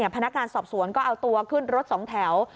พนักงานสอบสวนก็เอาตัวขึ้นรถสองแถว